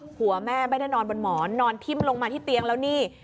หัวแม่ไม่ได้นอนบนหมอนนอนทิ้มลงมาที่เตียงแล้วนี่